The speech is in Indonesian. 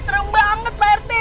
serem banget pak rt